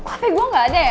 hape gue gak ada ya